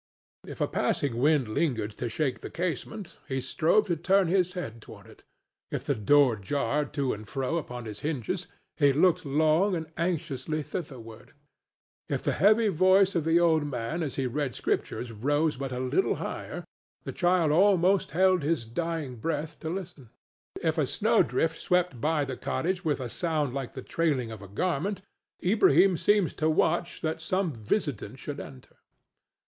If a passing wind lingered to shake the casement, he strove to turn his head toward it; if the door jarred to and fro upon its hinges, he looked long and anxiously thitherward; if the heavy voice of the old man as he read the Scriptures rose but a little higher, the child almost held his dying breath to listen; if a snowdrift swept by the cottage with a sound like the trailing of a garment, Ilbrahim seemed to watch that some visitant should enter.